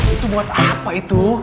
itu buat apa itu